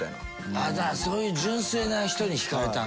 ああじゃあそういう純粋な人に惹かれたんだ。